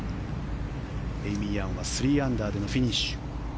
エイミー・ヤンは３アンダーでのフィニッシュ。